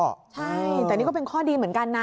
ใช่แต่นี่ก็เป็นข้อดีเหมือนกันนะ